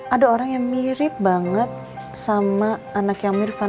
ada orang yang mirip banget sama anak yang mirfan